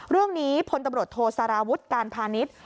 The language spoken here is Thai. เรื่องนี้พลตำรวจโทสารวุฒิการพาณิชย์